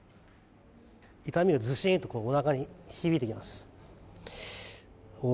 痛みがズシーンとおなかに響いてきます。